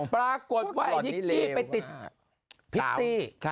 ปรากฏไว้นิกกี้ไปติดพิธี